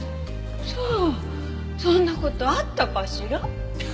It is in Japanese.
さあそんな事あったかしら？